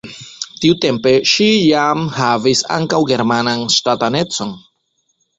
Tiutempe ŝi jam havis ankaŭ germanan ŝtatanecon.